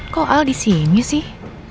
kok al di sini sih